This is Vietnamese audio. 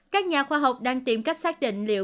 các nhà khoa học đang tìm cách xác định liệu